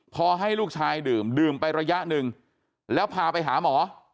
พอให้ลูกชายดื่มดื่มไประยะหนึ่งแล้วพาไปหาหมอ